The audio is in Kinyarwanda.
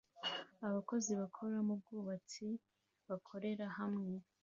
Abakozi bakora mu bwubatsi bakorera hamwe